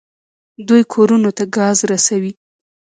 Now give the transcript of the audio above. دوی کورونو ته ګاز رسوي.